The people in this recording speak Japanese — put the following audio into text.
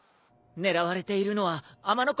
狙われているのは天ノ